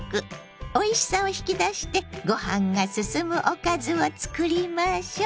おいしさを引き出してご飯がすすむおかずをつくりましょう。